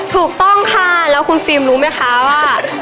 ถูกต้องค่ะแล้วคุณฟิล์มรู้ไหมคะว่า